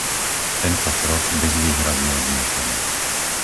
Tento krok bezvýhradne odmietame.